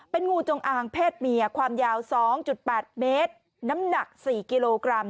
เป็นงูจงอางเพศเมียความยาว๒๘เมตรน้ำหนัก๔กิโลกรัม